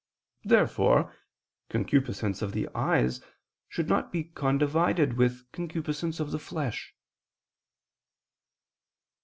Therefore concupiscence of the eyes should not be condivided with concupiscence of the flesh.